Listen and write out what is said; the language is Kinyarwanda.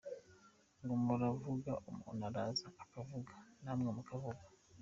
Ngo muravuga, umuntu araza akavuga, namwe mukavuga.